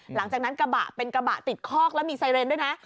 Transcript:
กระบะเป็นกระบะติดคอกแล้วมีไซเรนด้วยนะ